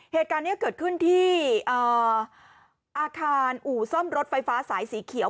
เหตุการณ์นี้เกิดขึ้นที่อาคารอู่ซ่อมรถไฟฟ้าสายสีเขียว